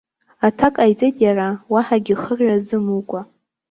Аҭак ҟаиҵеит иара, уаҳагьы хырҩ азымукәа.